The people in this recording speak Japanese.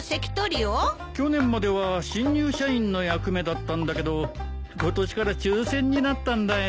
去年までは新入社員の役目だったんだけど今年から抽選になったんだよ。